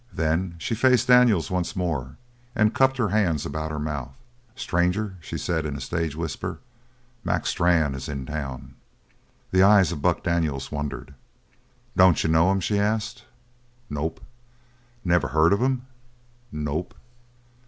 Then she faced Daniels once more and cupped her hands about her mouth. "Stranger," she said in a stage whisper, "Mac Strann is in town!" The eyes of Buck Daniels wandered. "Don't you know him?" she asked. "Nope." "Never heard of him?" "Nope."